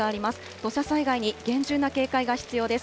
土砂災害に厳重な警戒が必要です。